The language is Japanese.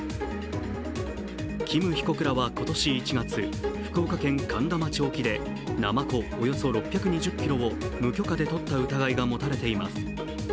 キム被告らは今年１月、福岡県苅田町沖でなまこおよそ６３０ｋｇを無許可でとった疑いが持たれています。